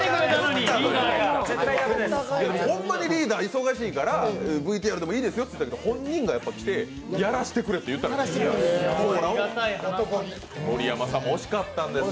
ほんまにリーダー忙しいから、ＶＴＲでもいいですよって言ったんですけど本人がやっぱり来て、やらせてくれと言ったんです。